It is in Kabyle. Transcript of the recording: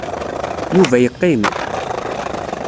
Yuba yeqqim.